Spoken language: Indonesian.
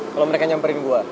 kalo mereka nyamperin gua